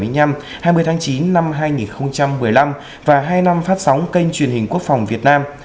năm một nghìn chín trăm bảy mươi năm hai mươi tháng chín năm hai nghìn một mươi năm và hai năm phát sóng kênh truyền hình quốc phòng việt nam